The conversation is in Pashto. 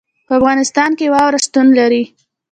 په افغانستان کې واوره شتون لري.